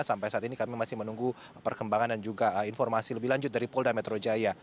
sampai saat ini kami masih menunggu perkembangan dan juga informasi lebih lanjut dari polda metro jaya